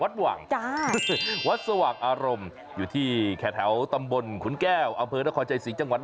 จ้าวัดสว่างอารมณ์อยู่ที่แข่แถวตำบลขุนแก้ว